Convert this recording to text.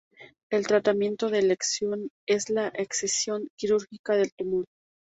El tratamiento de elección es la escisión quirúrgica del tumor.